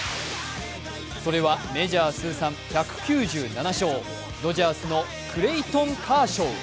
それはメジャー通算１９７勝、ドジャースのクレイトン・カーショウ。